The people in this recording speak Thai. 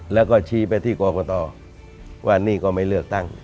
แล้วก็ชี้ไปที่กรกตว่านี่ก็ไม่เลือกตั้ง